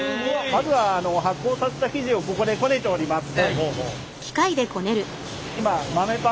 まずは発酵させた生地をここでこねております。